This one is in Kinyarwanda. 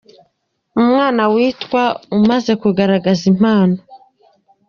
Umwana Witwa umaze kugaragaza impano.